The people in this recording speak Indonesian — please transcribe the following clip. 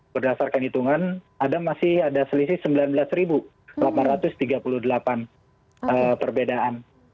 berdasarkan hitungan ada masih ada selisih sembilan belas delapan ratus tiga puluh delapan perbedaan